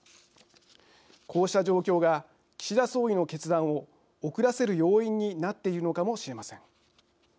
こうした状況が岸田総理の決断を遅らせる要因になっているのかもしれません。